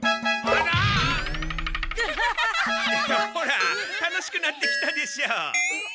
ほら楽しくなってきたでしょう。